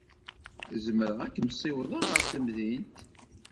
Zemreɣ ad kem-ssiwḍeɣ ɣer temdint.